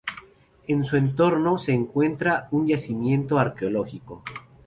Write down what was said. En su entorno se encuentra un yacimiento arqueológico.